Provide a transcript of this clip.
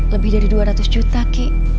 lebih dari dua ratus juta kik